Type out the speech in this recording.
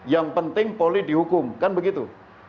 yang penting polri dihukum kan begitu